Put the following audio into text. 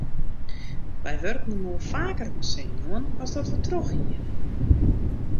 Wy wurken inoar faker op 'e senuwen as dat wy trochhiene.